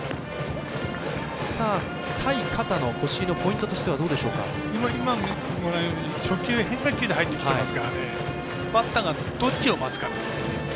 対、片野、腰のポイントとしては初球、変化球で入ってきてますからバッターがどっちを待つかですね。